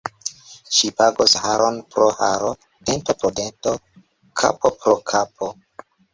Ŝi pagos haron pro haro, denton pro dento, kapon pro kapo.